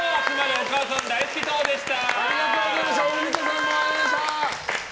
お母さん大好き党でした。